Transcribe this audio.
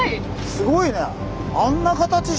すごいね！